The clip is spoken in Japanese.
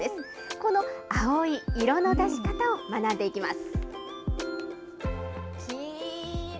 この青い色の出し方を学んでいきます。